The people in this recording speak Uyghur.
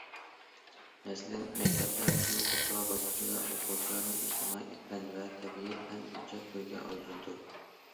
مەسىلەن: مەكتەپلەر تولۇق ئوتتۇرا باسقۇچىدا ئوقۇغۇچىلارنى ئىجتىمائىي پەن ۋە تەبىئىي پەن بويىچە تۈرگە ئايرىيدۇ.